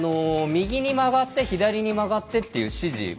「右に曲がって」「左に曲がって」っていう指示